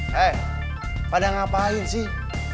hei pada ngapain sih